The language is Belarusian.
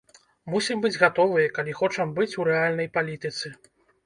Мусім быць гатовыя, калі хочам быць у рэальнай палітыцы.